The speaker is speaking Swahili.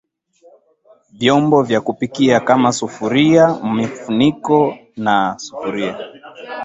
vyombo vya kupika kama Sufuria mfuniko wa sufuria